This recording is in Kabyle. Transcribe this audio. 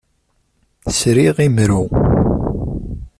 Sriɣ imru.